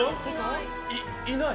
い、いない。